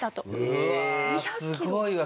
うわあすごいわ。